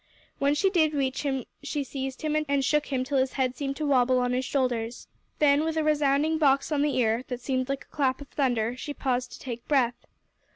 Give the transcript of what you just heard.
When she did reach him, she seized him and shook him till his head seemed to wobble on his shoulders. Then, with a resounding box on the ear, that seemed like a clap of thunder, she paused to take breath.